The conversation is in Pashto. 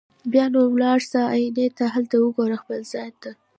بیا نو ولاړ سه آیینې ته هلته وګوره خپل ځان ته